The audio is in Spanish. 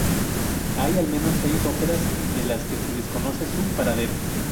Hay al menos seis óperas de las que se desconoce su paradero.